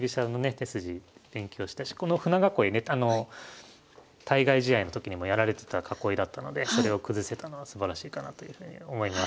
手筋勉強したしこの舟囲いねあの対外試合の時にもやられてた囲いだったのでそれを崩せたのはすばらしいかなというふうに思います。